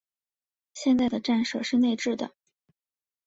现在的站舍是内置的。